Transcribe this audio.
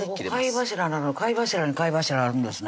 貝柱なのに貝柱に貝柱あるんですね